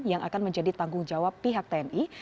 yang akan menjadi tanggung jawab pihak tni